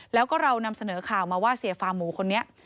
แล้วก็เรานำเสนอข่าวมาว่าเสียฟาร์หมูคนนี้